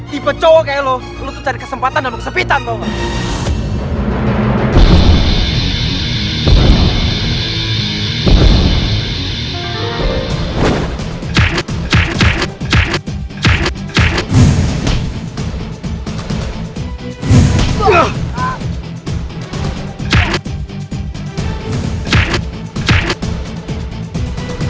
tipe cowok kayak lo lo tuh cari kesempatan dan lo kesepitan tau gak